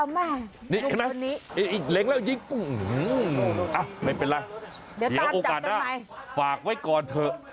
ไม่เป็นไรเดี๋ยวโอกาสฝากไว้ก่อนเถอะ